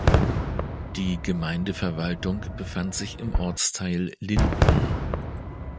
Die Gemeindeverwaltung befand sich im Ortsteil "Linden".